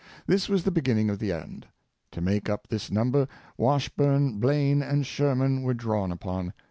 This was the beginning of the end. To make up this number, Washburne, Blaine, and Sherman were drawn upon.